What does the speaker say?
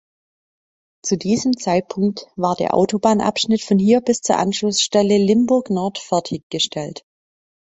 Zu diesem Zeitpunkt war der Autobahnabschnitt von hier bis zur Anschlussstelle Limburg-Nord fertiggestellt.